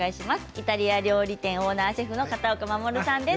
イタリア料理店オーナーシェフの片岡護さんです。